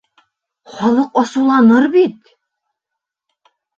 Халыҡ асыуланыр бит!